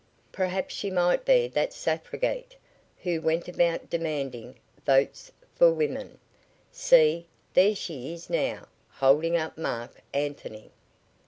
Perhaps she might be that suffragette, who went about demanding "Votes for women!" See! There she is now, holding up Marc Anthony!